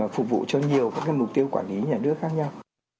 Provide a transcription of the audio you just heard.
phục vụ cho nhiều các mục tiêu quản lý nhà nước khác nhau